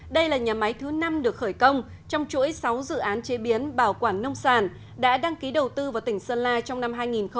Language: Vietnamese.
đây là nhà máy thứ năm được khởi công trong chuỗi sáu dự án chế biến bảo quản nông sản đã đăng ký đầu tư vào tỉnh sơn la trong năm hai nghìn một mươi chín